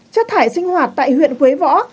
chất thải sinh hoạt tại huyện quế võ